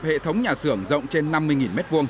hệ thống nhà xưởng rộng trên năm mươi m hai